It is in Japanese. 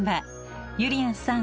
ゆりやんさん